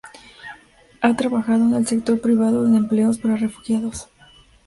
Ha trabajado en el sector privado en empleos para refugiados.